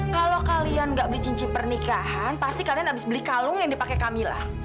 kalau kalian gak beli cincin pernikahan pasti kalian abis beli kalung yang dipake kamilah